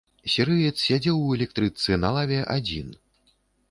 Сірыец сядзеў у электрычцы на лаве адзін.